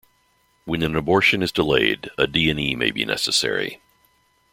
When an abortion is delayed, a D and E may be necessary.